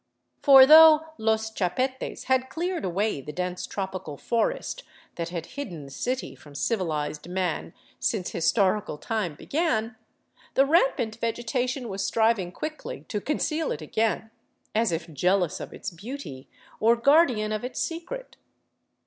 For though " los chapetes " had cleared away the dense tropical forest that had hidden the city from civilized man since his torical time began, the rampant vegetation was striving quickly to con ceal it again, as if jealous of its beauty or guardian of its secret.